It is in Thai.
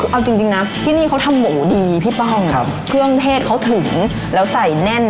เอาจริงนะที่นี่เขาทำหมูดีพี่ป้องเครื่องเทศเขาถึงแล้วใส่แน่น